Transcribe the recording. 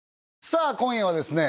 さあ今夜はですね